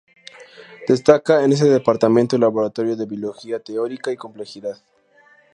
Destaca en este departamento el Laboratorio de Biología Teórica y Complejidad.